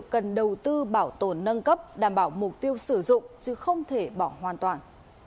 cần đầu tư bảo tồn nâng cấp đảm bảo mục tiêu sử dụng chứ không thể bỏ hoàn toàn